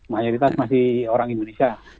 mayoritas masih orang indonesia